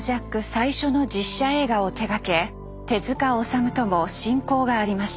最初の実写映画を手がけ手治虫とも親交がありました。